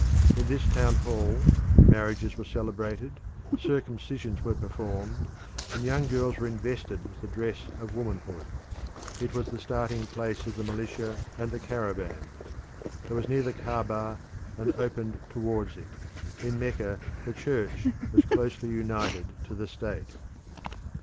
In this town hall marriages were celebrated, circumcisions were performed, and young girls were invested with the dress of womanhood. It was the starting place of the militia and the caravans. It was near the Caaba and opened towards it: in Mecca the Church was closely united to the state.